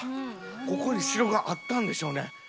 ここに城があったんでしょうね。